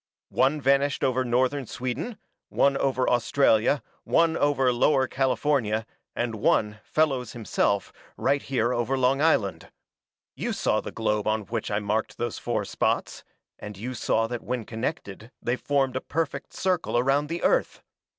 "One vanished over northern Sweden, one over Australia, one over Lower California, and one, Fellows, himself, right here over Long Island. You saw the globe on which I marked those four spots, and you saw that when connected they formed a perfect circle around the Earth.